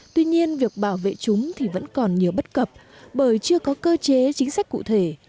tuy nhiên việc bảo vệ chúng thì vẫn còn nhiều bất cập bởi chưa có cơ chế chính sách cụ thể